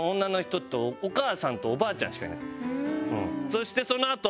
そしてそのあと。